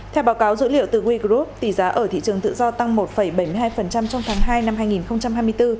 theo báo cáo dữ liệu từ wegroup tỷ giá ở thị trường tự do tăng một bảy mươi hai trong tháng hai năm hai nghìn hai mươi bốn